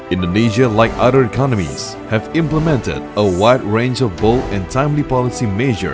indonesia seperti ekonomi lainnya telah memulai banyak kebijakan kebijakan yang berat dan berpengaruh